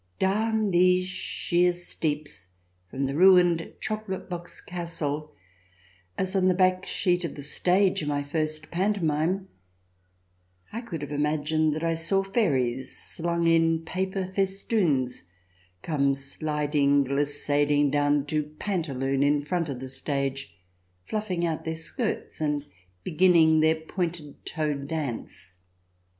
Down these sheer steeps, from the ruined chocolate box castle, as on the back sheet of the stage in my first pantomime, I could have imagined that I saw fairies, slung in paper festoons, come sliding, glissad ing down to Pantaloon in front of the stage, fluffing 326 THE DESIRABLE ALIEN [ch. xxii out their skirts and beginning their pointed toe dance.